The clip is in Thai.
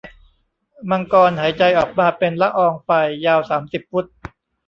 มังกรหายใจออกมาเป็นละอองไฟยาวสามสิบฟุต